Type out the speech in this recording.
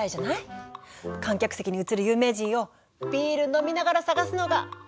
観客席に映る有名人をビール飲みながら探すのが好きなんだよねぇ！